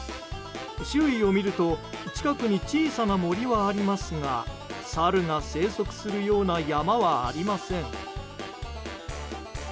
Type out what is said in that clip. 周囲を見ると近くに小さな森はありますがサルが生息するような山はありません。